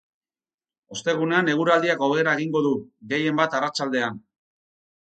Ostegunean eguraldiak hobera egingo du, gehienbat arratsaldean.